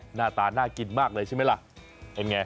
หน้าตาน่ากินมากเลยใช่ไหมล่ะเป็นไง